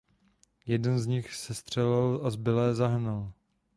Jeden z nich sestřelil a zbylé zahnal.